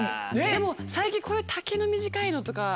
でも最近こういう丈の短いのとか。